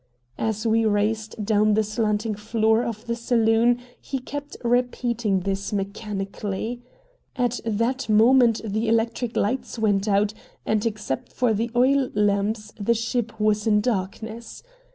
As we raced down the slanting floor of the saloon he kept repeating this mechanically. At that moment the electric lights went out, and, except for the oil lamps, the ship was in darkness.